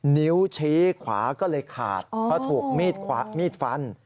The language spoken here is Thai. นิ้วชี้ขวาก็เลยขาดเพราะถูกมีดฟัน